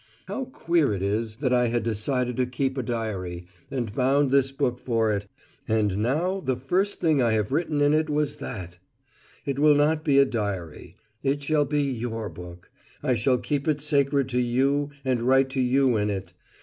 How queer it is that I had decided to keep a diary, and bound this book for it, and now the first thing I have written in it was that! It will not be a diary. It shall be your book. I shall keep it sacred to You and write to You in it.